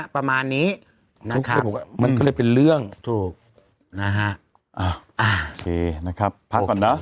ประมาณนี้นะครับมันก็เลยเป็นเรื่องถูกนะฮะอ้าวอ่าโอเคนะครับพักก่อนเนอะ